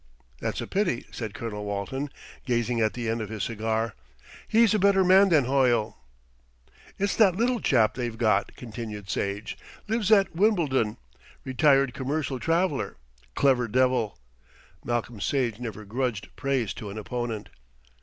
"That's a pity," said Colonel Walton, gazing at the end of his cigar. "He's a better man than Hoyle." "It's that little chap they've got," continued Sage, "lives at Wimbledon, retired commercial traveller, clever devil." Malcolm Sage never grudged praise to an opponent.